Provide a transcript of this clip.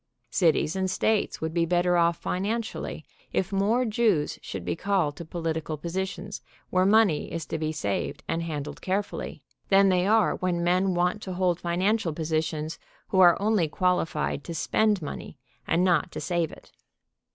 Cities and states would be better off financially if more Jews should be called to political positions where money is to be saved and handled carefully, than they are when men want to hold finan THE HORSELESS CARRIAGE 113 V cial positions who are only qualified to spend money, and not to save it.